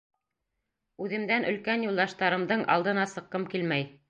Үҙемдән өлкән юлдаштарымдың алдына сыҡҡым килмәй.